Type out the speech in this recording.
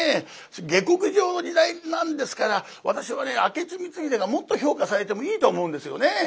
下克上の時代なんですから私はね明智光秀がもっと評価されてもいいと思うんですよね。